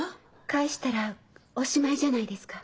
返したらおしまいじゃないですか。